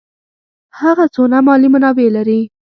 هغه څونه مالي منابع لري.